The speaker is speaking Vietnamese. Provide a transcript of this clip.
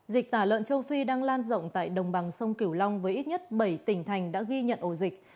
dịch tả lợn châu phi đang lan rộng tại đồng bằng sông kiểu long với ít nhất bảy tỉnh thành đã ghi nhận ổ dịch